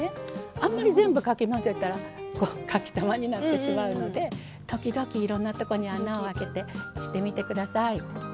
あんまり全部かき混ぜたらこうかきたまになってしまうので時々いろんなとこに穴を開けてしてみて下さい。